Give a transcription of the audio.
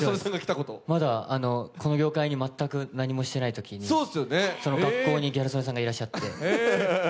まだこの業界に全くしてないときにギャル曽根さんがいらして。